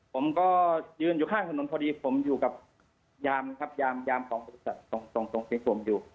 ผมก็ยืนอยู่ข้างถนนพอดีผมอยู่กับยามตรงไปตรงผมอยู่